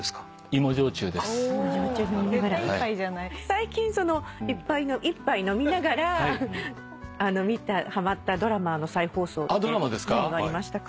最近一杯飲みながらはまったドラマの再放送って何がありましたか？